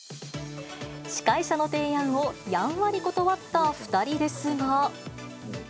司会者の提案をやんわり断った２人ですが。